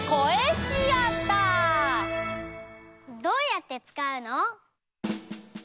どうやってつかうの？